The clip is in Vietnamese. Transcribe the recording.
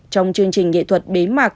trong chương trình nghệ thuật bế mạc